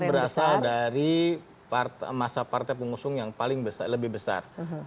dia berasal dari masa partai pengusung yang paling besar lebih besar